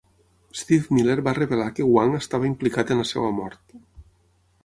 Steve Miller va revelar que Hwang estava "implicat" en la seva mort.